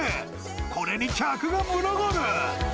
これに客が群がる。